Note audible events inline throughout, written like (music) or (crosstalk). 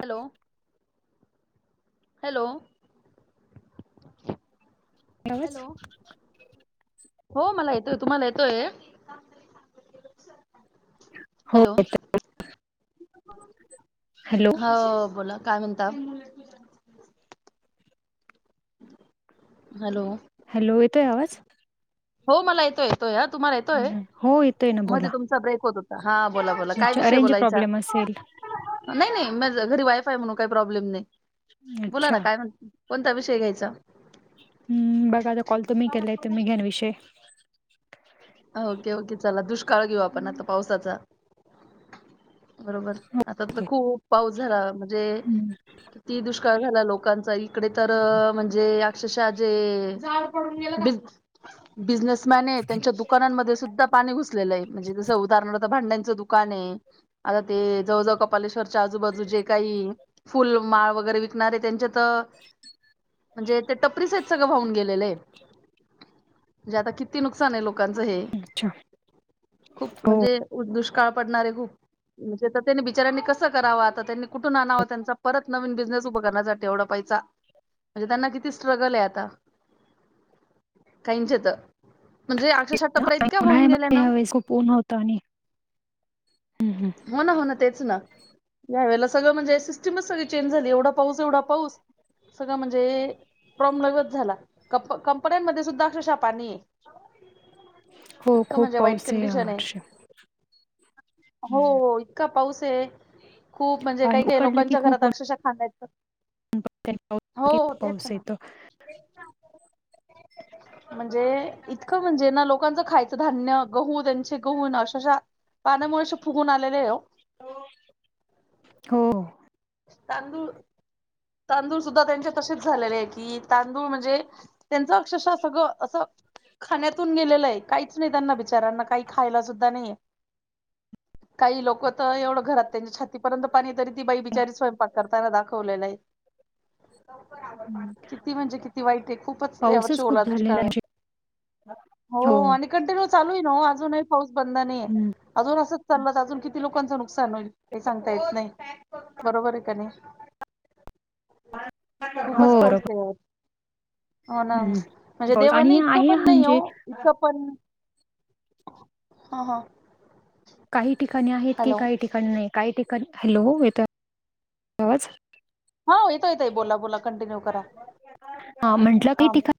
Hello hello, आवाज hello हो मला येतोय तुम्हाला येतोय? (unintelligible) हो येतोय हॅलो हो बोला काय म्हणताव हॅलो हॅलो येतोय आवाज हो मला येतोय, येतोय या तुम्हाला येतोय हो येतोय ना बोला मध्ये तुमचा ब्रेक होतो हा बोला, बोला काय अच्छा विषय रेंज बोलायचा प्रॉब्लेम असेल नाही, नाही म घरी वायफाय म्हणून काही प्रॉब्लेम नाही बोला अच्छा ना काय म्हणत कोणता विषय घ्यायचा? हम् बघा आता कॉल तुम्ही केलाय तुम्ही घ्यान विषय ओके, ओके चला दुष्काळ घेऊ आपण आता हम्म, पावसाचा बरोबर आता तर खूप पाऊस झाला म्हणजे ती दुष्काळ झाला लोकांचा इकडे तर म्हणजे अक्षरशहा जे बीज बिजनेसमॅन त्यांच्या दुकानांमध्ये सुद्धा पाणी घुसलेलं आहे म्हणजे जसं उदाहरणार्थ भांड्यांचं दुकान आहे आता ते जवळ, जवळ कपालेश्वरच्या आजूबाजू जे काही फुल माळ वगैरे विकणार आहे त्यांच्यात त म्हणजे ते टपरी सहित सगळं वाहून गेलेले आहे म्हणजे आता किती नुकसान आहे लोकांचं हे अच्छा खूप हो म्हणजे दुष्काळ पडणार आहे खूप म्हणजे आता त्यांनी बिचारांनी कसं करावा आता त्यांनी कुठून आणाव त्यांचा परत नवीन बिझनेस उभं करण्यासाठी एवढा पै सा म्हणजे त्यांना किती स्ट्रगल आहे आता काहींचेत म्हणजे अक्षरशः टपऱ्या आणि इतक्या वाहून गेल्या उन्हाळ्यामध्ये ना ह्यावेळेस खूप ऊन होतं आणि हम्म, हम्म. होना, होना तेच ना यावेेळेला सगळं म्हणजे सिस्टमच सगळी चेंज झाली एवढा पाऊस एवढा पाऊस सगळं म्हणजे प्रॉब्लेमच झाला कप कंपन्यांमध्ये सुद्धा अक्षरशा पानीय हो इतकं खूप म्हणजे वाईट पाऊस कंडिशन आहे हर्ष हो इतका पाऊस आहे खूप म्हणजे आणि काही काही उपडला की लोकांच्या घरात अक्षरशः खांयच पा पाऊस ना येतो म्हणजे इतकं म्हणजे ना लोकांचं खायचं धान्य गहू त्यांचे गहूण अशाशा पाण्यामुळे फुगून आल्या हो (unintelligible) तांदुळ तांदुळ सुद्धा त्यांचे तसेच झालेले की तांदुळ म्हणजे त्यांच अक्षरशः सगळ अस खाण्यातुन गेलेल आहे काहीच नाही त्यांना बिच्यारांना काही खायला सुद्धा नाहीये काही लोक तर एवढ घरात त्यांच्या छातीपर्यंत पाणी तरी ती बाई बिचारी स्वयंपाक करताना दाखवलेल आहे हम्म. किती म्हणजे किती वाईट आहे खुपच यावर्षी पाऊसच ओला खूप झालेला दुष्काळ आहे हो ते कंटिन्यु चालु आहे ना ओ अजुनही पाऊस बंद नाही हम्म. अजुन असच चालल अजुन किती लोकांच नुकसान होईल हे सांगता येत नाही बरोबर आहे का नाही हो खुपच पाऊस बरोबर लई हाय हो ना हम्म. म्हणजे पाऊस देवान आणि इतक आहे पण नाही हो म्हणजे इतक पण हा हा काही ठिकाणी आहेत की हॅलो काही ठिकाणी नाही काही ठिकाणी हॅलो येत आवाज हा येतो येतोय बोला बोला कंटिन्यू करा हा म्हटल की हा ठिका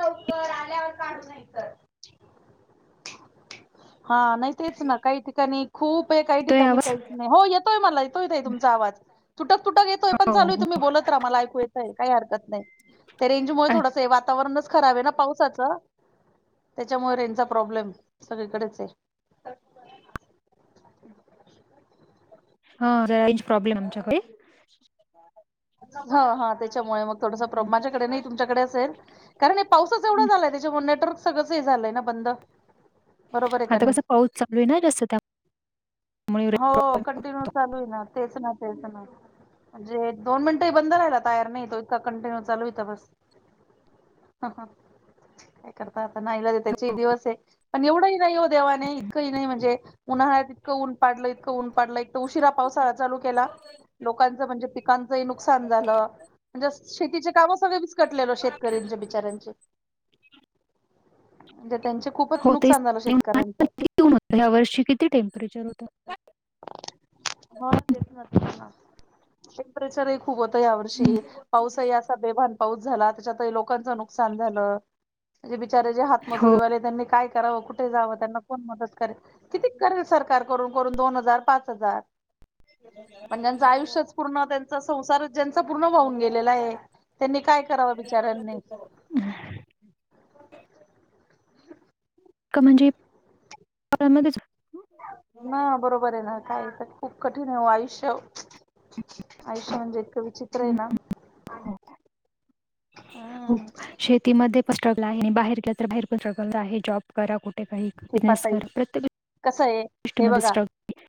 लवकर आल्यावर काढु नाहीतर हा नाही तेच ना काही ठिकाणी खुप आहे काही येतोय ठिकाणी आवाज काहीच नाही हो येतोय मला येतोय ताई तुमचा आवाज तुटक तुटक येतोय पण हो चालु आहे हो तुम्ही बोलत राहा मला ऐकु येतय काही हरकत नाही ते रेंजमुळे थोडस हे- वरूणच खराब आहे ना पावसाच त्याच्यामुळे रेंज चा प्रॉब्लेम सगळीकडेच आहे हा रेंज प्रॉब्लेम आमच्याकडे हा हा त्याच्यामुळे मग थोडसं प्रॉब माझ्याकडे नाही तुमच्याकडे असेल कारण हे पाऊसच एवढ झालय त्याच्यामुळे नेटवर्क सगळंच हे झालय ना बंद बरोबर आहे का आता नाही. कस पाऊस चालु आहे ना जास्त त्या हो कंटिन्यु चालु आहे ना तेच ना तेच ना म्हणजे दोन मिनिटही बंद व्हायला तयार नाही तो इतका कंटिन्यु चालु इथ बस ह हा काय करता आता नाईलाज हाय त्याचे ही दिवस आहे पण एवढही नाही हो देवाने इतकही नाही म्हणजे उन्हाळ्यात इतक ऊन पाडल इतक ऊन पाडलय एक त उशीरा पावसाळा चालु लोकांच म्हणजे पिकांच ही नुकसान झाल म्हणजे शेतीचे कामच सगळ विसकटलय बघ शेतकरींच बिचाऱ्यांच म्हणजे त्यांचे खुपच नुकसान झाल शेतकऱ्यांच ह्यावर्षी किती टेम्परेचर होत हो तेच न ना टेम्परेचर खुप होत यावर्षी हम्म, पाऊसही असा बेभान पाऊस झाला त्याच्यातही लोकांच नुकसान झाल म्हणजे बिचारे जे हो हातमजुरी वाले त्यांनी काय कराव कु ठे जाव त्यांना कोण मदत करेल किती करेल सरकार करून करून दोन हजार, पाच हजार पण त्यांच आयुष्यच पुर्ण त्यांचा संसार ज्यांच पुर्ण वाहुन गेलेला आहे त्यांनी काय कराव बिचारांनी का म्हणजे (unintelligible) हां बरोबर आहे ना काहीतरी खुप कठीण आहे ओ आयुष्य आयुष्य म्हणजे इतक विचित्र आहे ना हां खुप शेतीमध्ये पण स्ट्रगल आहे आणि बाहेर गेल तर बाहेर पण स्ट्रगल आहे जॉब करा कुठे काही बिझनेस कृपाताई करा प्रत्येक कसं आहे हे गोष्टीमध्ये बघा स्ट्रगल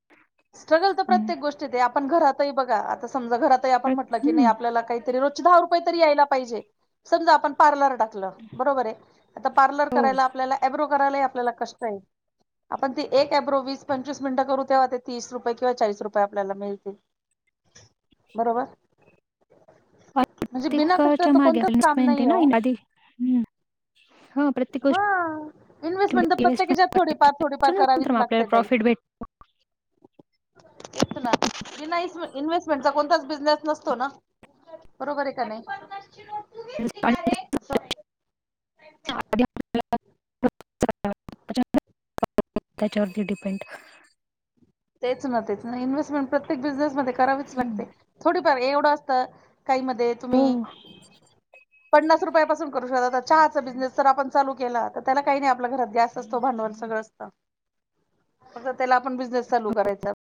स्ट्रगल तर प्रत्येक गोष्टीत आहे आपण घरातही बघा आता समजा घरातही आपण म्हटलं की नाही आपल्याला काहीतरी रोज रोजचे दहा रुपये तरी यायला पाहिजेत, समजा आपण पार्लर टाकल बरोबर आहे आता पार्लर हो करायला आपल्याला अब्रो करायला ही आपल्याला कष्ट आहे आपण ती एक ॲब्रो वीस पंचवीस मिनिट करु तेव्हा ते तीस रुपये किंवा चाळीस रुपये आपल्याला मिळतील बरोबर? म्हणजे बिना प्रत्येकाच्या कष्टाचं मागे कोणतंच काम इन्व्हेस्टमेंट आहे नाहीये ना ओ. इन- आधी हम्म. हा प्रत्येक हा इन्स्टमेंट तर गोष्टीमध्ये प्रत्येक इन्व्हेस्टमेंट हेच्यात करायची. थोडीफार थोडीफार करावीच त्याच्यानंतर मग आपल्याला लागते ताई प्रॉफिट भेट तेच ना इन्व्हेस्टमेंटचा कोणताच बिझनेस नसतो ना? बरोबर आहे का नाही? (unintelligible) असं आधी (unintelligible) त्याच्यावरती डिपेंड तेच ना तेच ना इन्व्हेस्टमेंट प्रत्येक बिझनेसमध्ये करावीच लागते थोडीफार एवढं असतं काही मध्ये तुम्ही हो पन्नास रुपयापासून करू शकता आता चहाचा बिझनेस जर आपण चालू केला तर त्यालाकाही नाही आपल्या घरात गॅस असतो भांडवल सगळं फक्त त्याला आपण बिझनेस चालू करायचा.